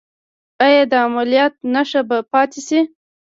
ایا د عملیات نښه به پاتې شي؟